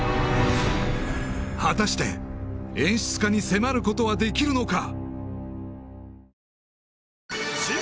果たして演出家に迫ることはできるのか？